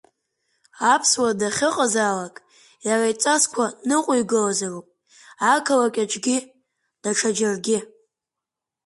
Аԥсуа дахьыҟазаалак иара иҵасқәа ныҟәигалозароуп ақалақь аҿгьы, даҽаџьарагьы…